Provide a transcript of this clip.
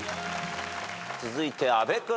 続いて阿部君。